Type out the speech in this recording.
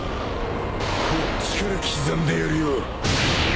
こっちから刻んでやるよ。